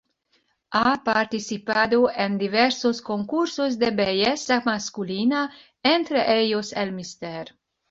Ha participado en diversos concursos de belleza masculina, entre ellos el Mr.